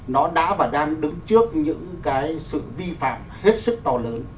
nó đã và đang đứng trước những cái sự vi phạm hết sức to lớn